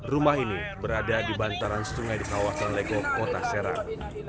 rumah ini berada di bantaran sungai di kawasan lego kota serang